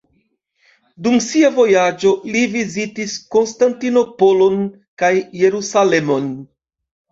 Dum sia vojaĝo li vizitis Konstantinopolon kaj Jerusalemon.